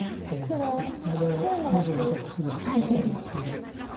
まだ２２歳とすごい若いんですけど。